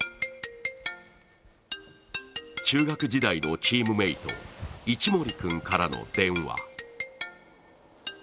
中学時代のチームメート一森君からの電話。